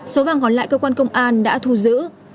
số vàng còn lại cơ quan công an đã thu giữ